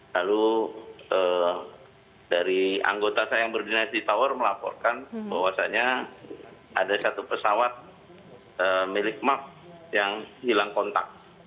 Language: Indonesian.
lalu dari anggota saya yang berdinas di tower melaporkan bahwasannya ada satu pesawat milik mark yang hilang kontak